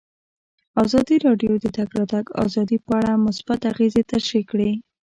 ازادي راډیو د د تګ راتګ ازادي په اړه مثبت اغېزې تشریح کړي.